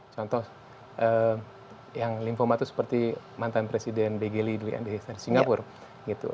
contoh yang lymphoma itu seperti mantan presiden begeli dari singapura